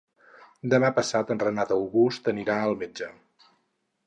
Demà passat en Renat August anirà al metge.